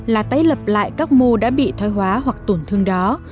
là tái lập lại các mô đã bị thoái hóa hoặc tổn thương đó